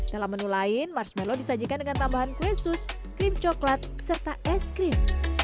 dalam menu lain marshmallow disajikan dengan tambahan kue sus krim coklat serta es krim